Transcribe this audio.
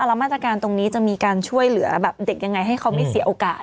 แล้วมาตรการตรงนี้จะมีการช่วยเหลือแบบเด็กยังไงให้เขาไม่เสียโอกาส